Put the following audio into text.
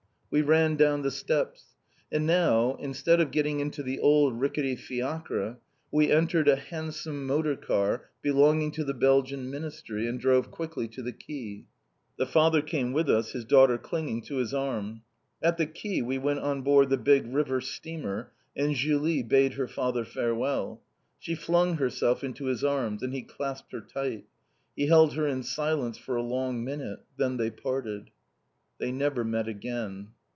We ran down the steps. And now, instead of getting into the old ricketty fiacre, we entered a handsome motor car belonging to the Belgian Ministry, and drove quickly to the quay. The father came with us, his daughter clinging to his arm. At the quay we went on board the big river steamer, and Julie bade her father farewell. She flung herself into his arms, and he clasped her tight. He held her in silence for a long minute. Then they parted. They never met again.